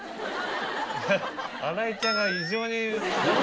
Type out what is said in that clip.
新井ちゃんが異常に。